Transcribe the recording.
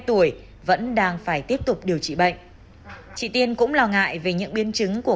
tuổi vẫn đang phải tiếp tục điều trị bệnh chị tiên cũng lo ngại về những biến chứng của